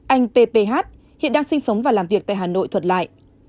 anh p p h hiện đang sinh sống và làm việc tại hà nội thuật lại